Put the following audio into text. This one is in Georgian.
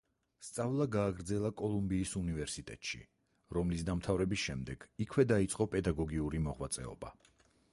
სწავლა გააგრძელა კოლუმბიის უნივერსიტეტში, რომლის დამთავრების შემდეგ იქვე დაიწყო პედაგოგიური მოღვაწეობა.